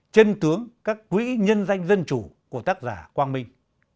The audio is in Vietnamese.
chân tướng các quỹ nhân danh dân chủ của tác giả quang minh